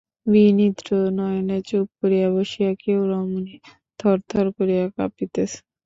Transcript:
বিনিদ্র নয়নে চুপ করিয়া বসিয়া কেও রমণী থরথর করিয়া কাঁপিতেছে।